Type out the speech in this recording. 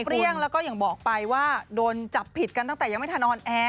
เรียกแล้วก็อย่างบอกไปว่าโดนจับผิดกันตั้งแต่ยังไม่ทันนอนแอร์